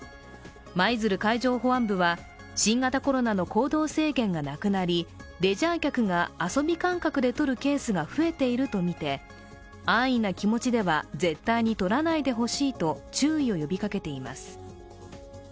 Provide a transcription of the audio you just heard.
舞鶴海上保安部は、新型コロナの行動制限がなくなり、レジャー客が遊び感覚で取るケースが増えているとみて安易な気持ちでは絶対にとらないでほしいと注意を呼びかけています。